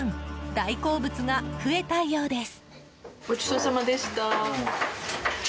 大好物が増えたようです。